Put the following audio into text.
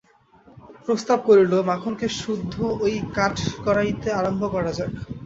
প্রস্তাব করিল, মাখনকে সুদ্ধ ঐ কাঠ গড়াইতে আরম্ভ করা যাক।